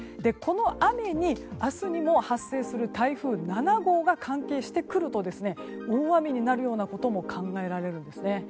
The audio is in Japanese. この雨に明日にも発生する台風７号が関係してくると大雨になるようなことも考えられるんですね。